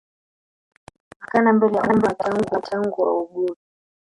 Alipoonekana mbele ya umma tangu augue